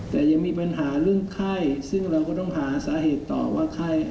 แต่ยังมีปัญหาเรื่องไข้ซึ่งเราก็ต้องหาสาเหตุต่อว่าไข้